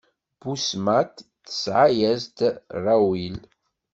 Busmat tesɛa-yas-d Raɛuwil.